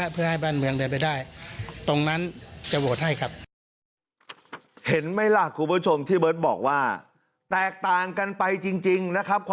เพื่อให้บ้านเมืองเดินไปได้เนี่ยย้ำนะครับ